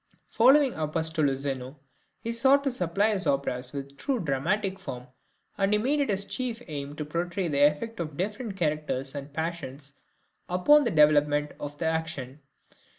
Following Apostolo Zeno, he sought to supply his operas with a true dramatic form, and he made it his chief aim to portray the effect of different characters and passions upon the development of the action.